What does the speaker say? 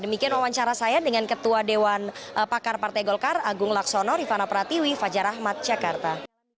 demikian wawancara saya dengan ketua dewan pakar partai golkar agung laksono rifana pratiwi fajar ahmad jakarta